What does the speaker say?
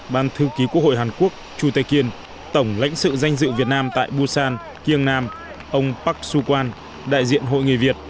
ban thư ký quốc hội hàn quốc chu tae kiên tổng lãnh sự danh dự việt nam tại busan kiêng nam ông park soo kwan đại diện hội người việt